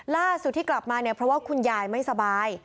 ล่าสุดที่กลับมาเนี่ยเพราะว่าคุณยายไม่สบาย